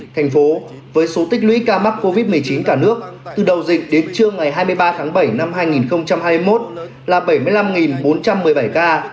thành phố với số tích lũy ca mắc covid một mươi chín cả nước từ đầu dịch đến trưa ngày hai mươi ba tháng bảy năm hai nghìn hai mươi một là bảy mươi năm bốn trăm một mươi bảy ca